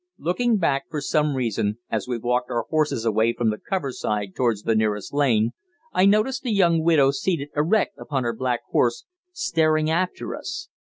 Looking back, for some reason, as we walked our horses away from the cover side towards the nearest lane, I noticed the young widow seated erect upon her black horse, staring after us.